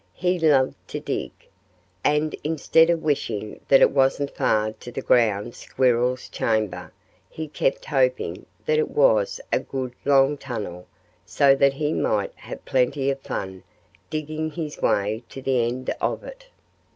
He loved to dig. And instead of wishing that it wasn't far to the ground squirrel's chamber he kept hoping that it was a good, long tunnel, so that he might have plenty of fun digging his way to the end of it.